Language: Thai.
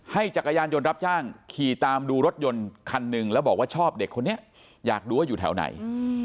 จักรยานยนต์รับจ้างขี่ตามดูรถยนต์คันหนึ่งแล้วบอกว่าชอบเด็กคนนี้อยากดูว่าอยู่แถวไหน